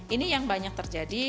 ini yang banyak terjadi